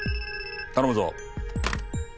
頼むぞ。